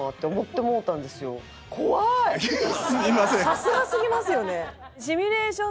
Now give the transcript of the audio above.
さすがすぎますよね。